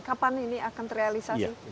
kapan ini akan terrealisasi